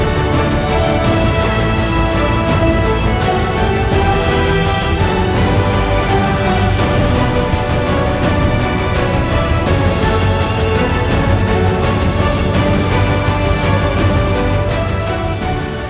ก็ไม่ใช่การเมืองแต่ถ้าให้ไปเลือกตั้งไปเป็นพักนี้ไม่เอาเด็ดคราบ